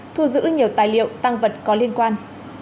thu giữ nhiều tài liệu tăng vật có liên quan